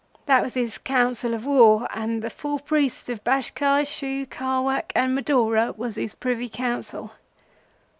That was his Council of War, and the four priests of Bashkai, Shu, Khawak, and Madora was his Privy Council.